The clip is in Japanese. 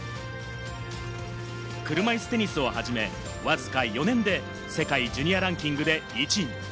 車いすテニスを始め、わずか４年で世界ジュニアランキングで１位に。